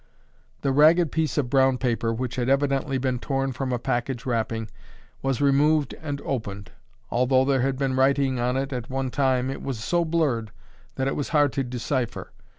The ragged piece of brown paper, which had evidently been torn from a package wrapping, was removed and opened. Although there had been writing on it at one time, it was so blurred that it was hard to decipher.